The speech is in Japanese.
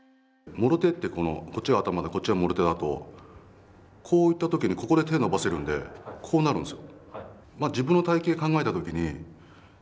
もろ手って、このこっちが頭でこっちがもろ手だとこういった時に、ここで手伸ばせるんでこうなるんですよ。